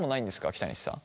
北西さん。